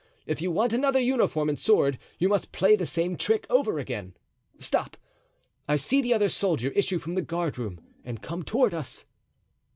If you want another uniform and sword you must play the same trick over again. Stop! I see the other soldier issue from the guardroom and come toward us."